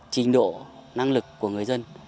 trình độ năng lực của người dân